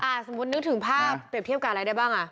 สมมุตินึกถึงภาพเปรียบเทียบกับอะไรได้บ้างอ่ะ